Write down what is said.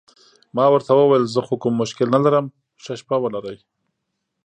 ما ورته وویل: زه خو کوم مشکل نه لرم، ښه شپه ولرئ.